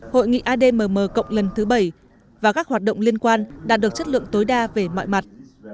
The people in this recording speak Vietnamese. hội nghị admm cộng lần thứ bảy và các hoạt động liên quan đạt được chất lượng tối đa về mọi mặt